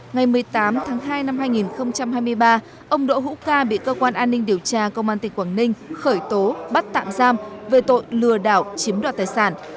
ngày một mươi tám tháng hai năm hai nghìn hai mươi ba ông đỗ hữu ca bị cơ quan an ninh điều tra công an tỉnh quảng ninh khởi tố bắt tạm giam về tội lừa đảo chiếm đoạt tài sản